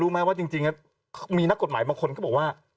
รู้ไหมว่าจริงจริงน่ะมีหนักกฏหมายบางคนก็บอกว่า